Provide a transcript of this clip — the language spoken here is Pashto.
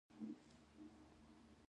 که خاوره القلي وي څه وکړم؟